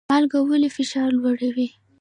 مالګه ولې فشار لوړوي؟